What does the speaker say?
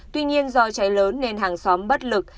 tuy nhiên do cháy lớn nên hàng xóm bất lực